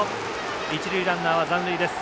一塁ランナーは残塁です。